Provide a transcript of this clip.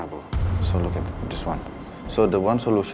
jadi satu solusi hanya untuk menggunakannya untuk operasi